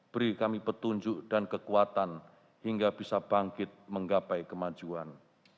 beri kami petunjuk dan kekuatan hingga bisa bangkit menggapai kemajuan